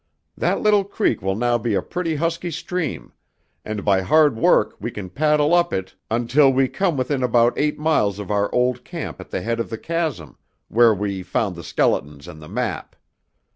"That little creek will now be a pretty husky stream, and by hard work we can paddle up it until we come within about eight miles of our old camp at the head of the chasm, where we found the skeletons and the map."